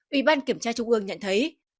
ủy ban kiểm tra trung ương nhận thấy